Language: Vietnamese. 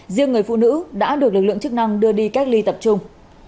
riêng người phụ nữ đã được lực lượng chức năng đưa đi cách ly tập trung